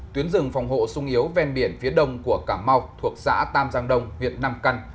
tuyến rừng phòng hộ sung yếu ven biển phía đông của cà mau thuộc xã tam giang đông việt nam căn